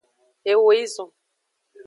Eo yi zon.